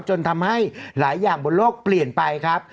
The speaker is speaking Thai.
จนทำให้หลายอย่างบนโลกเปลี่ยนไปครับ